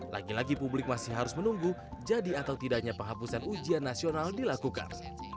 lagi lagi publik masih harus menunggu jadi atau tidaknya penghapusan ujian nasional dilakukan